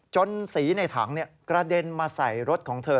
สีในถังกระเด็นมาใส่รถของเธอ